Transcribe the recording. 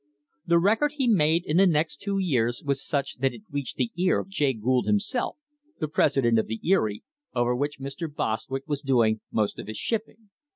The record he made in the next two years was such that it reached the ear of Jay Gould himself, the president of the Erie, over which Mr. Bostwick was doing most of his shipping.